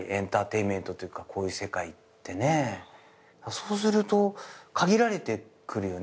そうすると限られてくるよね